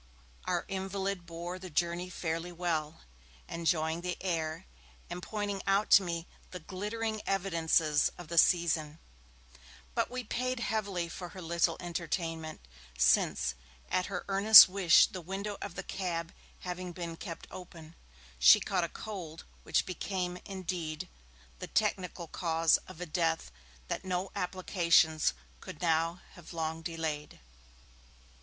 Our invalid bore the journey fairly well, enjoying the air, and pointing out to me the glittering evidences of the season, but we paid heavily for her little entertainment, since, at her earnest wish the window of the cab having been kept open, she caught a cold, which became, indeed, the technical cause of a death that no applications could now have long delayed.